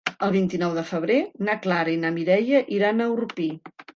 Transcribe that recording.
El vint-i-nou de febrer na Clara i na Mireia iran a Orpí.